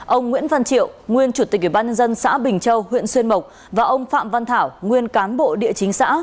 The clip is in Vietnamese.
ông nguyễn văn triệu nguyên chủ tịch ubnd xã bình châu huyện xuyên mộc và ông phạm văn thảo nguyên cán bộ địa chính xã